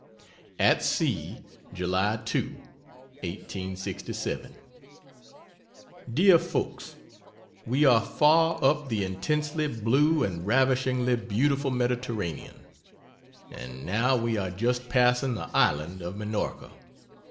AT SEA, July 2, 1867. DR. FOLKS, We are far up the intensely blue and ravishingly beautiful Mediterranean. And now we are just passing the island of Minorca.